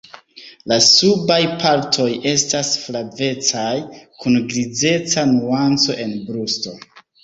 La subaj partoj estas flavecaj, kun grizeca nuanco en brusto.